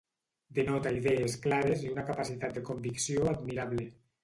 Denota idees clares i una capacitat de convicció admirable.